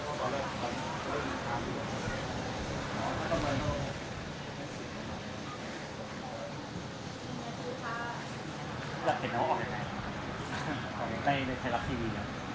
กลับมาที่นี่